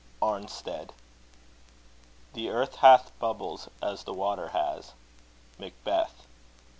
ARNSTEAD. The earth hath bubbles as the water has. MACBETH.